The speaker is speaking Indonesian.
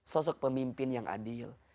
sosok pemimpin yang adil